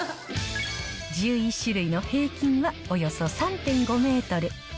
１１種類の平均はおよそ３．５メートル。